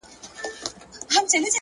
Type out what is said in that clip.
هر منزل د بل منزل لار هواروي!.